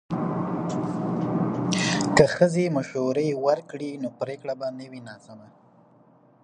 که ښځې مشورې ورکړي نو پریکړه به نه وي ناسمه.